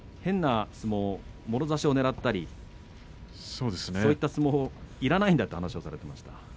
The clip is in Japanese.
もろ差しをねらったりそういった相撲はいらないんだという話をしていました。